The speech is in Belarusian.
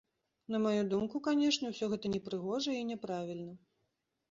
На маю думку, канешне, усё гэта непрыгожа і няправільна.